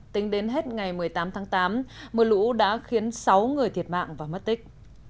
tính đến hết ngày một mươi tám tháng tám mưa lũ đã khiến sáu người thiệt mạng và mất tích